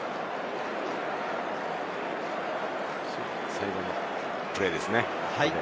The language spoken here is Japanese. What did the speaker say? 最後のプレーですね。